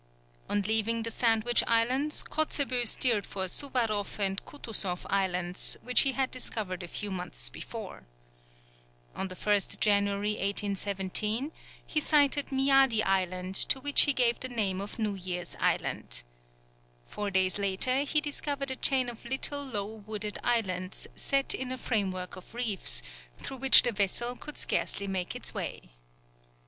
On leaving the Sandwich Islands, Kotzebue steered for Suwaroff and Kutusoff Islands, which he had discovered a few months before. On the 1st January, 1817, he sighted Miadi Island, to which he gave the name of New Year's Island. Four days later he discovered a chain of little low wooded islands set in a framework of reefs, through which the vessel could scarcely make its way.